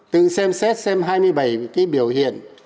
tự xem xét xem hai mươi bảy cái biểu hiện